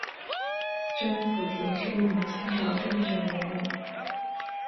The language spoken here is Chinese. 甄辅廷是一名清朝政治人物。